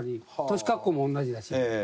年格好も同じだし。